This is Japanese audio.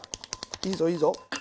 いいぞいいぞ。